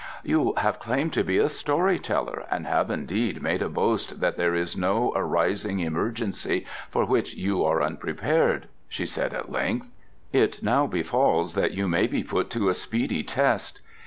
"You have claimed to be a story teller and have indeed made a boast that there is no arising emergency for which you are unprepared," she said at length. "It now befalls that you may be put to a speedy test.